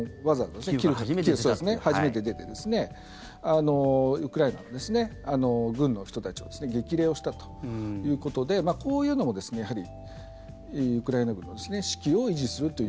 そうですね、初めて出てウクライナの軍の人たちを激励をしたということでこういうのも、やはりウクライナ軍の士気を維持する。